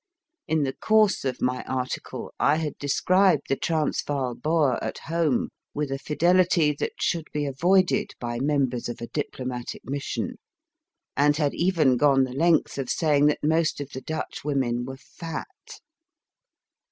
In the course of my article I had described the Transvaal Boer at home with a fidelity that should be avoided by members of a diplomatic mission, and had even gone the length of saying that most of the Dutch women were * fat.